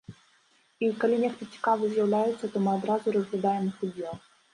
І, калі нехта цікавы з'яўляецца, то мы адразу разглядаем іх удзел.